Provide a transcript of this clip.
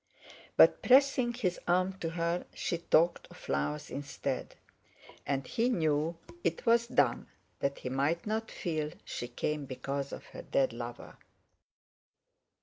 But, pressing his arm to her, she talked of flowers instead, and he knew it was done that he might not feel she came because of her dead lover.